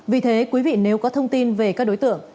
vì thế quý vị nếu có thông tin về các đối tượng